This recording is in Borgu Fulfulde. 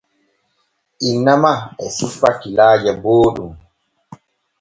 Inna ma e sippa kilaaje booɗɗum.